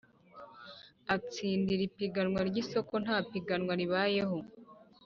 Atsindira ipiganwa ry isoko nta piganwa ribayeho